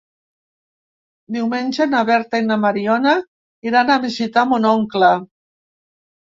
Diumenge na Berta i na Mariona iran a visitar mon oncle.